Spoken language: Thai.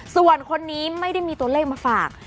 ส่วนคนนี้ไม่ได้มีตัวเลขมาฝาก